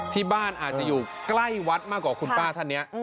ที่บ้านอาจจะอยู่ใกล้วัดมากกว่าคุณป้าท่านนี้